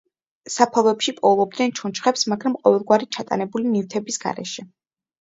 საფლავებში პოულობდნენ ჩონჩხებს, მაგრამ ყოველგვარი ჩატანებული ნივთების გარეშე.